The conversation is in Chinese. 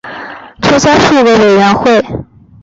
撤销数个委员会。